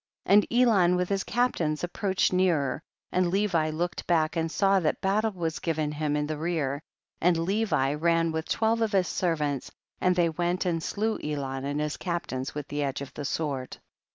50. And Elon with his captains approached nearer, and Levi looked back and saw that battle was given him in the rear, and Levi ran with twelve of his servants, and they went and slew Elon and his captains with the edge of the sword.